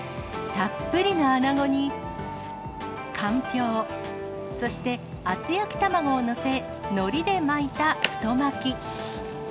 たっぷりの穴子に、かんぴょう、そして厚焼き卵を載せ、のりで巻いた太巻き。